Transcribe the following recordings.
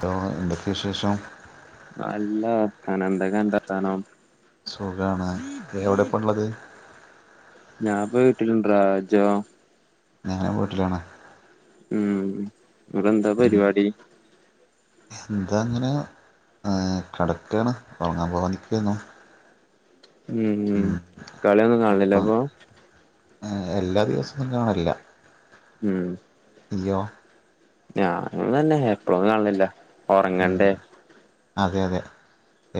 Law, എന്തൊക്കെശേഷം? ല്ലവർത്താനം. എന്തൊക്കെ അന്റെർ ത്താനം? സുഖാണ്. എവിടെപ്പള്ളത്? ഞാപ്പ വീട്ടിലിണ്ട്രാ ജോ? ഞാന് വീട്ട്ലാണ്. മ് ഇങ്ങടെന്താ പരിപാടി? - ന്താ ങ്ങനെ ആ കടക്കാണ്. ഒർ ങ്ങാൻ പോവാൻ നിക്കെന്നു. മ്. കളിയൊന്നും കാണ്ലില്ലേ. അപ്പം അപ്പോ? എല്ലാ ദിവസൊന്നും കാണല്യ. മ്. ഇയ്യോ? ഞാനും തന്നെ എപ്പ്ളും കാണ്ലില്ല. ഉം ഒറങ്ങണ്ടേ. അതെ അതെ.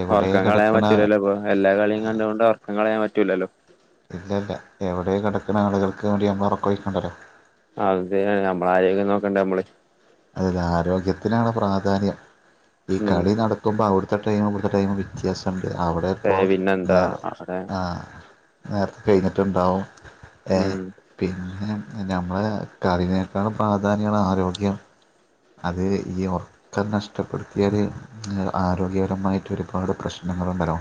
എവിടെ ഒർക്കം കളയാൻ കിടക്കണ പറ്റുലല്ലോ പ്പൊ. എല്ലാ കളിയും കണ്ടുകൊണ്ട് ഒർക്കം കളയാൻ പറ്റൂലല്ലോ. ഇല്ല ഇല്ല. എവിടെ കെടക്ക്ണ. ആളുകൾക്ക് വേണ്ടി നമ്മള് ഒറക്കൊയിക്കണ്ടല്ലോ. അതെ. നമ്മള ആരോഗ്യം നോക്കണ്ടെ അമ്മള്. അതില് ആരോഗ്യത്തിനാണ് പ്രാധാന്യം ഈ ഉം കളി നടക്കുമ്പോ അവിട് ത്തെ ടൈമും ഇവ്ടത്തെ ടൈമും വ്യത്യാസണ്ട്. അവിടെ ഇപ്പോ ഏഹ് പിന്നെന്താ അവിടെ ആ. നേര്ത്തെ കെയിഞ്ഞിട്ടുണ്ടാവും. ഏ ഉം പിന്നെ നമ്മളെ കറിനേകാളും പ്രാധാന്യണ് ആരോഗ്യം. അത് ഈ ഒറക്കം നഷ്ടപ്പെടുത്തിയാല് ആരോഗ്യപരമായിട്ട് ഒരുപാട് പ്രശ്നം ങ്ങളുണ്ടലോ.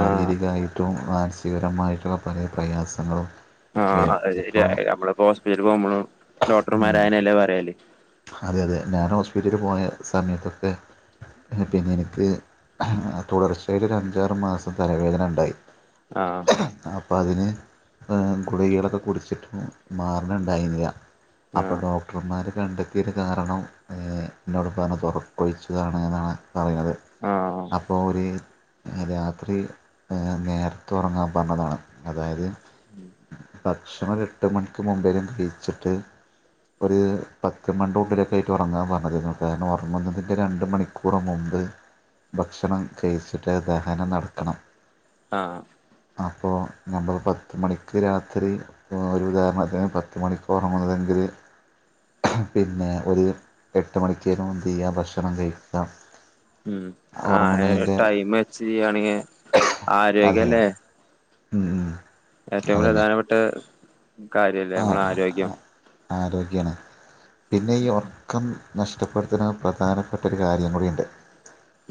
ആഹ് മാൻസികപരമായിട്ടുള്ളപലേ പ്രയാസങ്ങളും ആഹ. വരും ഇപ്പോൾ അസെരി നമ്മള്പ്പോ ഹോസ്പിറ്റല് പോവുമ്പളും ഡോട്ടർ മാരായനല്ലേ പറയല്. അതെ അതെ. ഞാന് ഹോസ്പിറ്റലിൽ പോയ സമയത്തൊക്കെ പിന്നെ എനിക്ക് തുടർച്ചയായിട്ട് ഒരഞ്ചാറ് മാസം തലവേദനണ്ടായി. ആ. പ്പ അതിന് ഗുളികളൊക്കെ കുടിച്ചിട്ട് മാറണുണ്ടായിന്നില. അപ്പൊ ആഹ് ഡോക്ടർമാര് കണ്ട് ത്തിന് കാരണം ഏ ഇന്നോട്പ്പർഞ്ഞ ത് ഒറക്കൊഴിച്ചതാണ്ന്നാണ്. പറിണത്. ആഹ് അപ്പോ ഓര് രാത്രി നേര്ത്തെ ഒർങ്ങാൻ പർഞ്ഞതാണ്. അതായത് ഉം ഭക്ഷണം എട്ട് മണിക്ക് മുമ്പേലും കഴിച്ചിട്ട് ഒരു പത്ത് ചമണ്ടൂട്ടിലൊക്കായിട്ട് ഒറങ്ങാൻ പറഞ്ഞതേര്ന്നു കാരണം ഒർങ്ങുന്നതിൻ്റെ രണ്ട് മണിക്കൂറ് മുമ്പ് ഭക്ഷണം കഴിച്ചിട്ട് അത്‌ ദഹനം നടക്കണം ആ അപ്പോ നമ്മള് പത്ത് മണിക്ക് രാത്രി ഒരു ഉദാഹരണത്തിന് പത്ത് മണിക്ക് ഒർങ്ങുന്നതെങ്കില് പിന്നെ ഒര് എട്ട് മണിക്കേലും ന്തെയ്യ ഭക്ഷണം കഴിക്കാം. ഉം ആ ടൈം വെച്ച് ചെയ്യാണെങ്കി ആരോഗ്യല്ലേ ഉം ഉം ഏറ്റവും പ്രധാനപ്പെട്ട കാര്യല്ലേ ആ നമ്മളെ ആരോഗ്യം ആരോഗ്യമാണ് പിന്നെ ഈ ഒർക്കം നഷ്ടപ്പെടുത്തുന്ന പ്രധാനപ്പെട്ട ഒരു കാര്യം കൂടിണ്ട്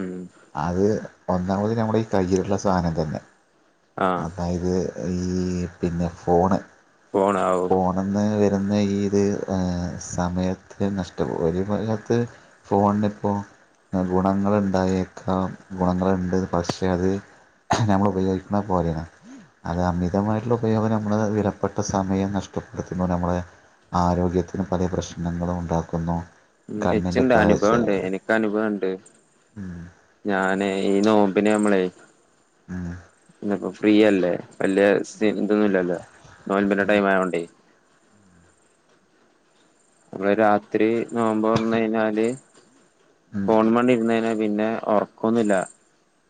ഉം അത് ഒന്നാമത് നമ്മുടെ ഈ കയ്യിലുള്ള സാധനം തന്നെ ആ അതായത് ഈ പിന്നെ ഫോണ് പോണാവൂ ഫോണന്ന് വര് തുന്ന ഈ ഇത് സമയത്തെ നഷ്ട ഒരു ഭാകത്ത് ഫോണിപ്പോൾ ഗുണങ്ങളുണ്ടായേക്കാം ഗുണങ്ങളുണ്ട് പക്ഷേ അത് നമ്മൽ ഉപയോഗിക്കുന്നത് പോലെയാണ് അത് അമിതമായിട്ടുള്ള ഉപയോഗം നമ്മള് വിലപ്പെട്ട സമയം നഷ് ടപ്പെടുത്തുന്നു നമ്മളെ ആരോഗ്യത്തിന് പല പ്രശ്നങ്ങളും ഉണ്ടാക്കുന്നു ഉം കണ്ണിൻ്റെ എച്ച്ണ്ട് കാഴ്ച അനുഭവണ്ട് എനക്ക് അനുഭവണ്ട് ഉം ഞാന് ഈ നോ മ്പിന് നമ്മളെയ് ഉം പിന്നപ്പോ ഫ്രീയല്ലേ വല്ല്യ തെ ഇതൊന്നും ഇല്ലല്ലോ നോൽമ്പിന്റെ ഉം ടൈമായോണ്ടേ നമ്മള് രാത്രി നോമ്പോർന്നയിഞ്ഞാല് ഉം ഫോൺമെണ്ട് ഇരുന്നയ്ഞ്ഞാല് പിന്നെ ഒർക്കൊന്നൂല്ല്യ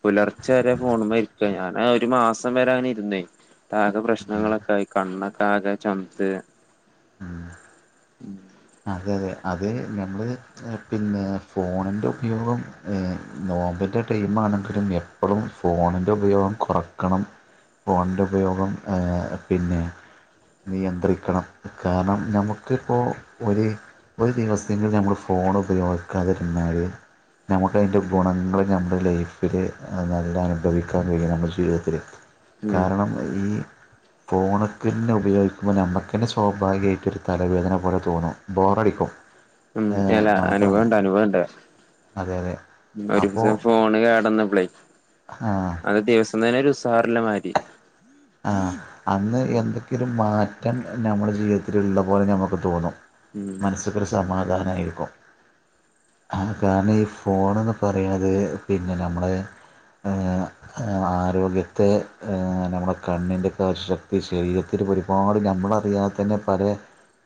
പുലർച്ചെ വരെ ഉം ഫോണ് മ്മെരിക്ക ഞാനാ ഒരു മാസം വരെ അങ്ങന ഇരുന്നേ ക്കാകെ ഉം പ്ര്രശ്നങ്ങളൊക്കൊയി കണ്ണൊക്കെ ആകെ ചൊമച്ച് അതെതെ അത് നഞമ്മള് പിന്നെ ഫോണിന്റെ ഉപയോഗം ഏ നോമ്പിന്റെ ടൈമാണെങ്കിലും എപ്പളും ഫോണിൻ്റെ ഉപയോഗം കൊറയ്ക്കണം ഫോണിന്റെ ഉപയോഗം ഏ പിന്നെ നിയന്ത്രിക്കണം കാരണം നമുക്കിപ്പോ ഒരു ഒരു ദിവസെങ്കിലും നമ്മള് ഫോണ് ഉപയോഗിക്കാതിരുന്നാല് നമുക്ക് അതിന്റെ ഗുണങ്ങള് നമ്മുടെ ലൈഫില് നല്ല അനുഭവിക്കാൻ കഴിയും നമ്മുടെ ജീവിതത്തില് ഉം കാരണം ഈ ഫോണ്ക്ക്ന്നേ ഉപയോഗിക്കുമ്പോനമുക്കന്നെ സ്വാഭാവികമായിട്ടൊരു തലവേദന പോലെ തോന്നും ബോറടിക്കും ഉം എല്ല അനുഭവണ്ട് മാത്രമാണ് അനുഭവണ്ട് അതെ അതെ ഉം ഒരു അപ്പോ ദിവസം ഫോണ് കേടന്നപ്പളയ് ആഹ് അത് ദിവസം തന്നെ ഒരു സാറിള്ള മാരി ആ അന്ന് എന്തെങ്കിലും മാറ്റം നമ്മുടെ ജീവിതത്തിലുള്ള പോലെ നമുക്ക് തോന്നും ഉം മനസ്സക്കൊരു സമാധാനായിരിക്കും ആ കാരണം ഈ ഫോണ്ന്ന് പറയുന്നത് പിന്നെ നമ്മളെ ഏ ആരോഗ്യത്തെ ഏ നമ്മുടെ കണ്ണിന്റക്കെ ശക്തി ശരീരത്തില് ഒരുപാട് നമ്മളറിയാതെ തന്നെ പലെ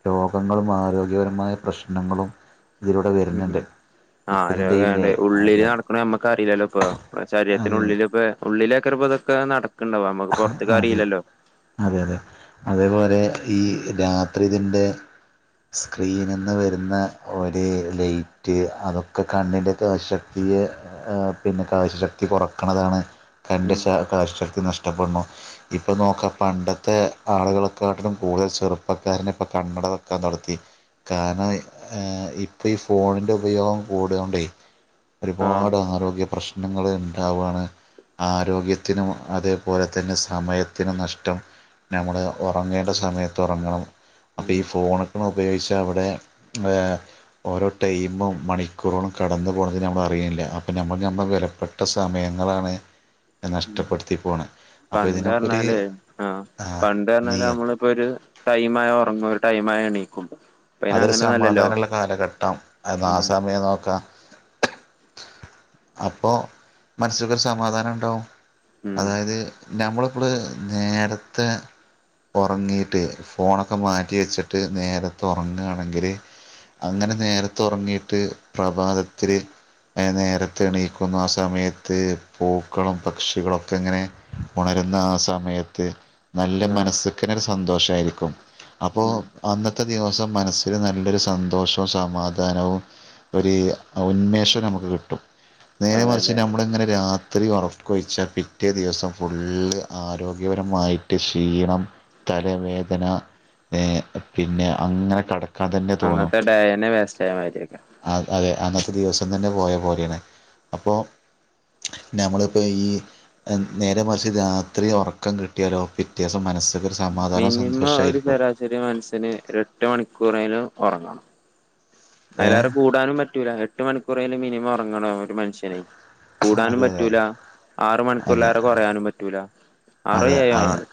രോഗങ്ങളും ആരോഗ്യപരമായ പ്രശ്നങ്ങളും ഇതിലൂടെ വരുന്നുണ്ട് ഇപ്പ ആഹ് ര ഇതിൻ്റെ ഇല്ലേ വേണ്ട ഉള്ളില് അതെ നടക്കണ നമ്മക്ക് അറിയില്ലല്ലോ ഇപ്പൊ അതെ ശരീരത്തിനുള്ളിലിപ്പ ഉള്ളില [unintelligible] നട അതെ അതെ അതെ അതേപോലെ ഈ രാത്രിതിൻ്റെ സ്ക്രീനിന്ന് വരുന്ന ഒരു ലൈറ്റ് അതൊക്കെ കണ്ണിന്റെറെ ഒക്കെ ശക്തി [unintelligible] ഏ പിന്നെ കാഴ്ശശക്തി കുറക്ക്ണതാണ് കണ്ണിന്റെ ഉം കാശ് ശക്തി നഷ്ട റ്റപ്പെടുണു ഇപ്പൊ നോക്ക പണ്ടത്തെ ആളുകളൾക്കാട്ടിലും കൂടുതൽ ചെറുപ്പക്കാരനെ ഇപ്പൾ കണ്ണട വെക്കാൻ തൊടത്തി കാരണം ഇപ്പ ഈ ഫോണിന്റെ ഉപയോഗം കൂടിയോണ്ടെയ് ആഹ് ഒരുപാട് ആരോഗ്യ പ്രശ്നങ്ങള് ഉണ്ടാവാണ് ആരോഗ്യത്തിനും അത് അതുപോലെ തന്നെ സമയത്തിന് നഷ്ടം നമ്മള് ഉറങ്ങേണ്ട സമയത്ത് ഉറങ്ങണം അപ്പൊ ഈ ഉം ഫോണൊക്കൊന്ന് ഉപയോഗിച്ചാ അവിടെ ആ ഓരോ ടൈമും മണിക്കൂറോളം കടന്നു പോകണത് നമ്മൾ അറയിണില്ല അപ്പ ഞമ്മക്ക് ഞമ്മളെ വിലപ്പെട്ട സമയ- ങ്ങളാണ് ഉം നഷ്ടപ്പെടുത്തി പോണ് പണ്ട് പറഞ്ഞാല് ആ പണ്ട് നീ പറഞ്ഞാല് നമ്മളിപ്പോ ഒരു ടൈം ആയ ഉറങ്ങും ഒരു ടൈം ആ- യാ എണീക്കും ഇപ്പ അയിന് അതൊരു അങ്ങനൊന്നല്ലല്ലോ സമാധാനള്ള കാലഘട്ടം അന്ന് ആ ഉം സമയം നോക്കാം അപ്പൊ മനസ്സിൽക്കൊരു സമാധാനം ഉണ്ടാവും ഉം അതായത് നമ്മളിപ്പോള് നേരത്തെ ഉറങ്ങീട്ട് ഫോണൊക്കെ മാറ്റി വെച്ചിട്ട് നേരത്തെ ഉറങ്ങുകയാണെങ്കില് അങ്ങനെ നേരത്തെ ഉറങ്ങിയിട്ട് പ്രഭാതത്തില് നേരത്തെ എണീക്കുന്ന ആ സമയത്ത് പൂക്കളും പക്ഷികളൊക്കെ ഇങ്ങനെ ഉണര- ന്ന ആ സമയത്ത് നല്ല ആഹ് മനസ്സ്ക്കെന്നെ ഒരു സന്തോഷായിരിക്കും അപ്പോ ഉം അന്ന ത്തെ ദിവസം മനസ്സിൽ നല്ലൊരു സന്തോഷവും സമാധാനവും ഒരു ഉന്മേഷും നമുക്ക് കിട്ടും നേരെ അതെ മറിച്ച് അതെ നമ്മളിങ്ങനെ രാ- ത്രി ഉറക്കൊഴിച്ചാൽ പിറ്റേ ദിവസം ഫുള്ള് ആരോഗ്യപരമായിട്ട് ക്ഷീണം തലവേദന ഏ പിന്നെ അങ്ങനെ കട ക്കാൻ തന്നെ തോന്നും അന്നത്തെ ഡേയന്നെ വേസ്റ്റ് ആയ മാതിരിയൊക്കെ അ അതെ അന്നത്തെ ദിവസം തന്നെ പോയ പോലെണ് അപ്പോ നമ്മളിപ്പോൾ ഈ നേരെ മറിച്ച് രാത്രി ഉറക്കം കിട്ടിയാലോ പിറ്റേസം മനസ്സ് മിനിമം ഒരു ശരാശരി മൻസ്സന് എട്ട് മണിക്കൂറെങ്കിലും ഉറങ്ങണം ഏ അതിലേറെ കൂടാനും പറ്റൂല എട്ട് മണിക്കൂറെലും മിനിമം ഉറങ്ങണം ഒരു മനുഷ്യന് കൂടാനും അതെ അതെ പറ്റൂല ആറ് മണിക്കൂറിലേറെ കുറയാനും പറ്റൂല ആറോ അതെ ഏഴോ അത് ആണ്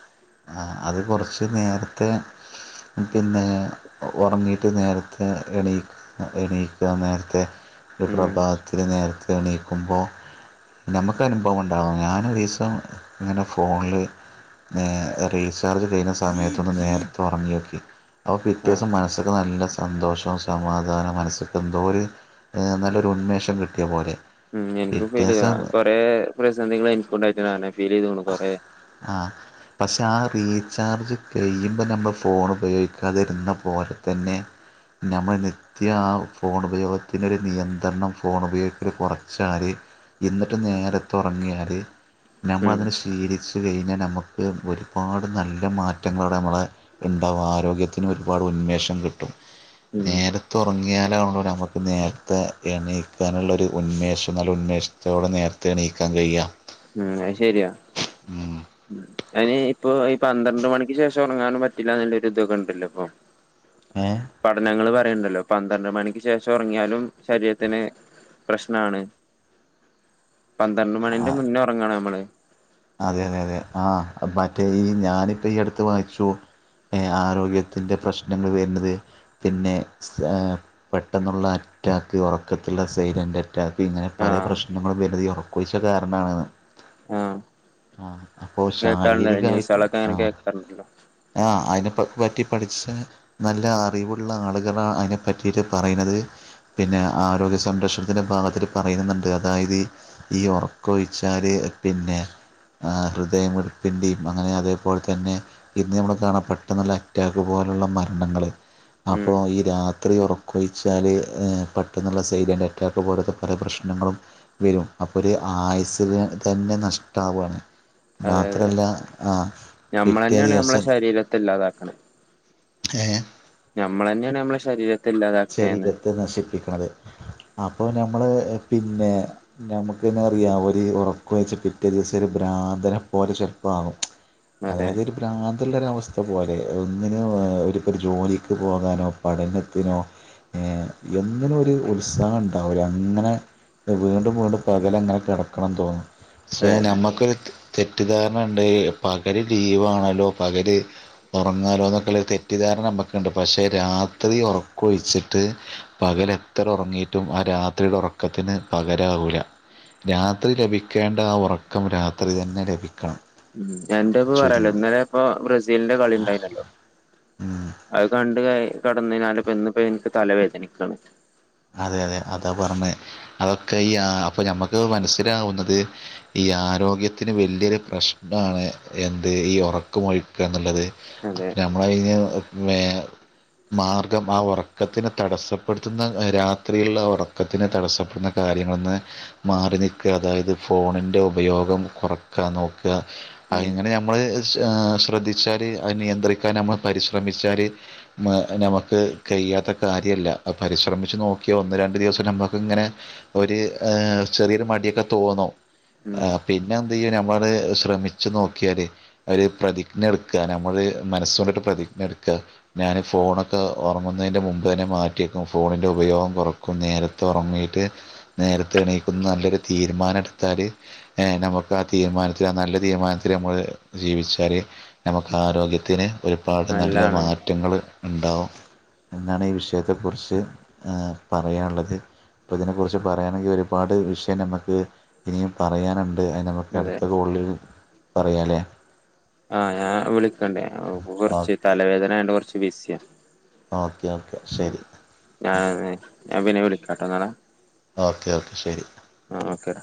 അത് കുറച്ച് നേരത്തെ പിന്നെ ഉറങ്ങീയിട്ട് നേരത്തെ എണീ എണീക്കുക നേരത്തെ ഒരു ഉം പ്രഭാതത്തില് നേരത്തെ എണീക്കുമ്പോ നമ്മക്ക് അനുഭവംണ്ട് ഞാൻ ഒരീസം ഇങ്ങനെ ഫോണിൽ എ റീചാർജ് ചെയ്യുന്ന സമയത്തൊന്ന് നേരത്തെ ഉറങ്ങി നോക്കി അപ്പം ആഹ് പിറ്റേസം മനസ്ക്ക് നല്ല സന്തോഷവും സമാധാനം മനസ്സ്ക്ക് എന്തോ ഒരു നല്ലൊരു ഉന്മേഷം കിട്ടിയ പോലെ ഉം എനിക്കും പിറ്റേ ഫീൽ ദിവസം ചെയ്ത് കൊറെ പ്രതിസന്ധികൾ എനിക്കും ഉണ്ടായിട്ട്ണ്ടങ്ങനെ ഫീല് ചയ്തുക്ക്ണ് കൊറേ ആഹ് പക്ഷെ ആ റീചാർജ് കഴിയുമ്പോ നമ്മൾ ഫോൺ ഉപയോഗിക്കാതിരുന്ന പോലെ തന്നെ നമ്മൾ നിത്യ ആ ഫോണുപയോഗത്തിനൊരു നിയന്ത്രണം ഫോണുപയോഗത്തിൽ കുറച്ചാല് എന്നിട്ട് നേരത്തുറങ്ങിയാല് ഉം നമ്മളതിന് തിരിച്ച് കഴിഞ്ഞാൽ നമുക്ക് ഒരുപാട് നല്ല മാറ്റങ്ങളാണ് നമ്മളെ ഉണ്ടാവ ആരോഗ്യത്തിന് ഒരു ഒരുപാട് ഉന്മേഷം കിട്ടും ഉം നേരത്തെ ഉറങ്ങിയാലാണല്ലോ നമുക്ക് നേരത്തെ എണീക്കാനുള്ള ഒരു ഉന്മേഷം നല്ല ഉൻ - മേശത്തോടെ നേരത്തെ എണീ ക്കാൻ കഴിയ ഉം അത് ശരിയാ അയിന് ഇപ്പൊ ഈ പന്ത്രണ്ട് മണിക്ക് ശേഷം ഉറങ്ങാനും പറ്റില്ല എന്നുള്ളൊരു ഇതക്ക ഉണ്ടല്ലോ ഇപ്പൊ ഏഹ് പഠനങ്ങള് പറ- യ്ണ്ടല്ലോ പന്ത്രണ്ട് മണിക്ക് ശേഷം ഉറങ്ങിയാലും ശരീരത്തിന് പ്രശ്നാണ് [inaudible] പന്ത്രണ്ട് ആ മണിന്റെ മുന്നേ ഒറങ്ങണം നമ്മള് അതെ അതെ അതെ ആ മറ്റേ ഈ ഞാനിപ്പ ഈ അടുത്ത് വായിച്ചു ആരോഗ്യത്തിന്റെ പ്രശ്നങ്ങൾ വരുന്നത് പിന്നെ ഏഹ് പെട്ടെന്നുള്ള റ്റാക്ക് ഉറക്കത്തിലുള്ള സൈലന്റ് മറ്റ ഇങ്ങനെ പല ആഹ് പ്രശ്നങ്ങളും വലുത ഉറക്കയിച്ച കാരണമാെന്ന് ആ ആ അപ്പൊ ശാരീരികമായിട്ടും ന്യൂസുകളൊക്കെ ആ അങ്ങനെ കേൾക്കാറുണ്ടല്ലോ ആ അതി പറ്റി പഠിച്ച നല്ല അറിവുള്ള ആളുകളാണ് അതിനെപ്പറ്റിയിട്ട് പറയുന്നത് പിന്നെ ആരോഗ്യ സംരക്ഷണത്തിന്റെ ഭാഗത്തിൽ പറയുന്നുണ്ട് അതായത് ഈ ഉറക്കം ഒഴിച്ചാല് പിന്നെ ഹൃദയം വെപ്പിന്റെയും അങ്ങനെ അതേപോലെ തന്നെ ഇന്ന് നമ്മൾ കാണാൻ പെട്ടുള്ള അക്റ്റാക്ക് പോ പോലുള്ള മരണങ്ങൾ ഉം അപ്പോൾ ഈ രാത്രി ഉറക്ക കൊഴിച്ചാൽ പെട്ടെന്നുള്ള സൈഡിൻ്റെ അറ്റാക്ക് പോലത്തെ കുറെ പ്രശ്നങ്ങളും വരും അപ്പോ ഒരു ആയുസില് തന്നെ നഷ്ടവാണ് അതെ അതെ നഞമ്മൾ പിറ്റേ തന്നെയാണ് മ്മളെ ദിവസം ശരീരത്തെ ഇല്ലാതാക്കണ ഏഹ് നമ്മളന്നെയാണ് നമ്മളെ ശരീരം ശരീരത്തെ നശിപ്പിക്കണത് അപ്പോ നമ്മൾ പിന്നെ നമുക്ക്ന്നെ അറിയാം ഒരു ഉറക്കയിച്ച പിറ്റേ ദിവസം [unintelligible] [unintelligible] അതെ അതായദ് രു പ്രാന്ത ത്തുള്ളൊരവസ്ഥ പോലെ ഒന്നിനന് ഒരുപ്പ ജോലിക്ക് പോകാനോ പഠനത്തിനോ ഏഹ് എങ്ങനെ ഒരു ഉത്സാഹം ഉണ്ടാവല ഇങ്ങനെ വീണ്ടും വീണ്ടും പകല അങ്ങനെ കിടക്കണം തോന്നുന്നു പക്ഷേ അതെ നമ്മക്കൊരു തെറ്റിദ്ധാരണ ഉണ്ട പകല് ലീവാണല്ലോ പകര് ഉറങ്ങാലോ എന്നൊക്കെ തെറ്റിദ്ധാരണ നമുക്കുണ്ട് പക്ഷെ രാത്രി ഉറ കൊ ഒഴിച്ചിട്ട് പകല എത്ര ഉറങ്ങിട്ടും ആ രാത്രിയുടെ ഉറക്കത്തിന് പകറവൂല രാത്രി ലഭിക്കേണ്ട ആ ഉറക്കം രാത്രി തന്നെ ലഭി ഉം എന്റെപ്പ പറയാലോ ഇന്നലെ ഇപ്പൊ ബ്രസീലിന്റെ കളി ഉണ്ടായിനല്ലോ ഉം അത് കണ്ട് ക കടന്നതിനാല പ ഇന്നപ്പോ എനിക്ക് തല വേദനിക്കണ് അതെ അതെ അതാ പറഞ്ഞത് അതൊക്കെ ഈ അപ്പൊ ഞമ്മക്ക് മനസ്സിലാവുന്നത് ഈ ഈ ആരോഗ്യത്തിന് വലിയൊരു പ്രശ്നമാണ് എന്ത് ഈ ഉറക്കുമൊഴിക്കുക എന്നുള്ളത് അ അതെ നമ്മളതി മാർഗം ആ ഉറക്കത്തിനെ തടസ്സപ്പെടുത്തുന്ന രാത്രിയുള്ള ഉറക്കത്തിന് തടസ്സപ്പെടുന്ന കാര്യങ്ങളൊന്ന് മാറി നിൽക്കുക അതായത് ഫോണി ഉപയോഗം കുറക്ക നോക ഉം ഇങ്ങനെ നമ്മൾ ക്ഷ ശ്രദ്ധിച്ചാല് അത് നിയന്ത്രിക്കാൻ നമ്മൾ പരിശ്രമിച്ചാല് നമുക്ക് കൈ ചെയ്യാത്ത കാര്യമല്ല അഹ് പരിശ്ര ച്ച് നോക്കിയോ ഒന്ന് രണ്ടു ദിവസം നമ്മുക്ക് ഇങ്ങനെ ഒരു ഏഹ് ചെറിയൊരു മടിയൊക്കെ തോന്നോ ആ ഉം പിന്നെ ചെയ നമ്മളള് ശ്രമിച്ചു നോക്കിയാല് ഒരുര് പ്രതിജ്ഞ എടുക്കാ നമ്മള് മനസ്സ കൊണ്ടിട്ട് പ്രതി എടുക ഞാൻ ഫോണൊക്കെ ഓർങുന്നതിൻ്റെ മുമ്പ് തന്നെ മാറ്റിയേക്കും ഫോണിൻ്റെ ഉപയോഗം കുറക്കും നേരത്തെ ഉറങ്ങിയിട്ട് നേരത്തെ എണീക്കുന്ന നല്ലൊരു തീരുമാനം എടുത്താൽ നമുക്ക് ആ തീരുമാനത്തിൽ ആ നല്ല തീരുമാനത്തിൽ നമ്മള് ജീവിച്ചാല് നമുക്ക് ആരോഗ്യത്തിന് ഒരുപാട് നല്ല നല്ലാണ് മാറ്റങ്ങൾ ഉണ്ടാവും എന്നാണ് ഈ വിഷയത്തെക്കുറിച്ച് പറയാനുള്ളത് അപ്പൊ ഇതിനെ കുറിച്ച് പറയയാണെങ്കിൽ ഒരുപാട് വിഷയം നമുക്ക് ഇനിയും പറയാനുണ്ട് ണ്ട് അ നമുക്ക് അതെ അടുത്ത കോള്ളിൽ പറയാല്ലേ ആഹ് ഞാൻ വിളിക്കണ്ടേ കുറച്ച് തലവേദനണ്ട് കുറച്ച് വിസിയ ഓക്കേ ഓക്കെ ശരി ഞാ പിന്നെ വിളാട്ടോ എന്നാെ ഓക്കെ ഓക്കേ ശരി ഓക്കെടാ